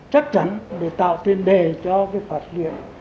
chắc chắn để tạo tên đề cho cái phạt luyện